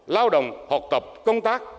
lao động học tập công tác